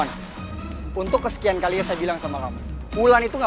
gue tuh gak bawa mobil soalnya